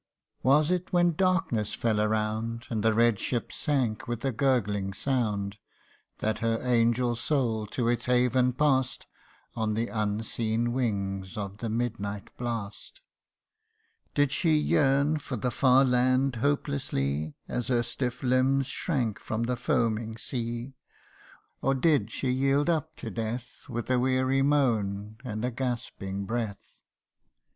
Was it when darkness fell around, And the red ship sank with a gurgling sound That her angel soul to its haven past On the unseen wings of the midnight blast ? Did she yearn for the far land hopelessly, As her stiff limbs shrank from the foaming sea : Or did she yield her up to death, With a weary moan, and a gasping breath